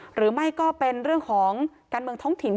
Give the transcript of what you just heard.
หรือไม่ก็เป็นเรื่องของการเมืองท้องถิ่น